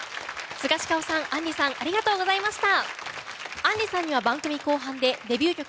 スガシカオさん、杏里さんありがとうございました。